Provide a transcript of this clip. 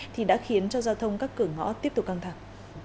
thì đã khiến cho giao thông các cửa ngõ tiếp tục căng thẳng